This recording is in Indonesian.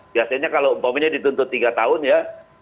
biasanya kalau umpamanya dituntut tiga tahun ya